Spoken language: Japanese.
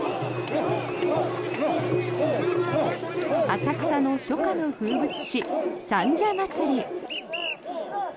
浅草の初夏の風物詩、三社祭。